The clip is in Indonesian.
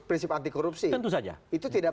prinsip anti korupsi itu saja itu tidak